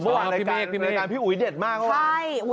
พี่เมฆรายการพี่อุ๋ยเด็ดมากว่า